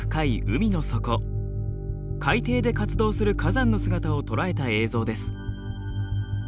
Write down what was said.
海底で活動する火山の姿を捉えた映像です。